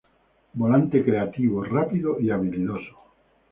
Volante creativo, rápido y habilidoso.